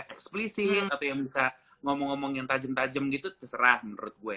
eksplisi atau yang bisa ngomong ngomong yang tajem tajem gitu terserah menurut gue